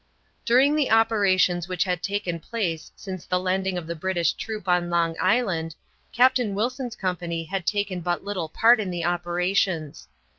During the operations which had taken place since the landing of the British troops on Long Island Captain Wilson's company had taken but little part in the operations.